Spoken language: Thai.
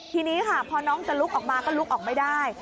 ทีนี้ค่ะพอน้องจะลุกออกมาก็ลุกออกไม่ได้